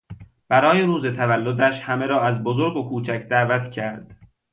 برای روز تولدش همه را از بزرگ و کوچک دعوت کرد.